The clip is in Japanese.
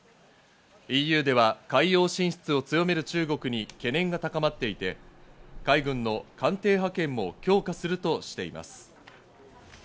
ＥＵでは海洋進出を強める中国に懸念が高まっていて、海軍の艦艇派遣も強化するとしています。